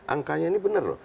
angkanya ini benar loh